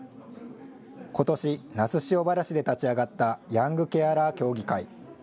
ことし、那須塩原市で立ち上がったヤングケアラー協議会。